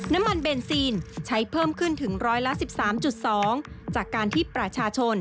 น้ำมันเบนซีนใช้เพิ่มขึ้นถึงร้อยละ๑๓๒จากการที่ประชาชน